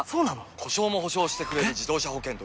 故障も補償してくれる自動車保険といえば？